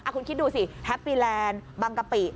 คุณคิดดูสิแฮปปี้แลนด์บางกะปิ